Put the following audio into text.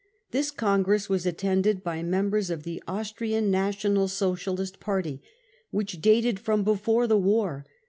This congress was attended by mem bers of the Austrian National Socialist Party, which dated from before the war.